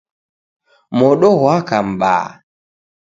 Modo ghwaka m'baa.